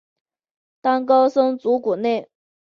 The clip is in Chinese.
当高僧祖古内。